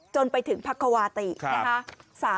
จนไปถึงพักควาตินะคะ